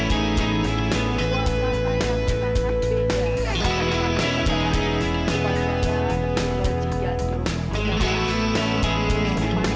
saya ingin mengucapkan terima kasih kepada anda semua yang telah menonton video ini